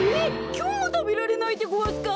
きょうもたべられないでごわすか！